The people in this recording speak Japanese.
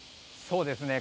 そうですね。